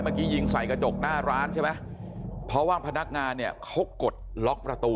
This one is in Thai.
เมื่อกี้ยิงใส่กระจกหน้าร้านเพราะว่าพนักงานคงกดประตู